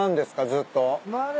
ずっと。